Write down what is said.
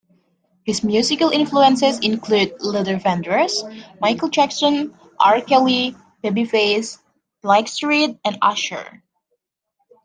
His musical influences include Luther Vandross, Michael Jackson, R. Kelly, Babyface, Blackstreet and Usher.